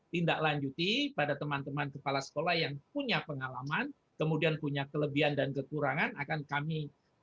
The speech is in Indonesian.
tindak lanjuti pada teman teman kepala sekolah yang punya pengalaman kemudian punya kelebihan dan kekurangan akan kami